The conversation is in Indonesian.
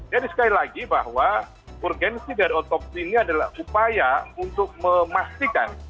jadi sekali lagi bahwa urgensi dan otopsi ini adalah upaya untuk memastikan